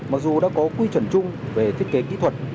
mặc dù đã có quy chuẩn chung về thiết kế kỹ thuật